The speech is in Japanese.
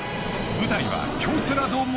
舞台は京セラドーム